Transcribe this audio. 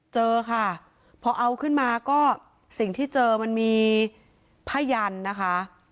เจอค่ะพอเอาขึ้นมาก็สิ่งที่เจอมันมีผ้ายันนะคะ